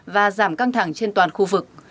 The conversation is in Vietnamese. và giảm căng thẳng trên toàn khu vực